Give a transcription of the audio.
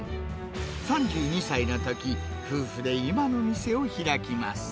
３２歳のとき、夫婦で今の店を開きます。